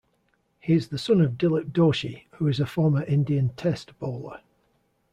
He is the son of Dilip Doshi, who is a former Indian Test bowler.